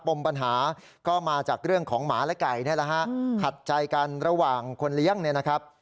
ปรมปัญหาก็มาจากเรื่องของหมาและไก่ถัดใจกันระหว่างคนเรียกเนี่ยนะครับ